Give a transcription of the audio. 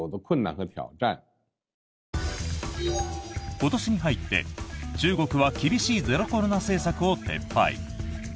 今年に入って中国は厳しいゼロコロナ政策を撤廃。